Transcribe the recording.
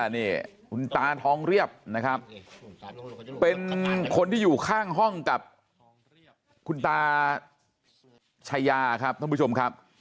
นี่คุณตาทองเรียบนะครับเป็นคนที่อยู่ข้างห้องกับคุณตาชายาครับท่านผู้ชมครับ